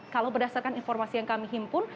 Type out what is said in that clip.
kalau berdasarkan informasi yang kami himpun